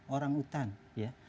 orang hutan ya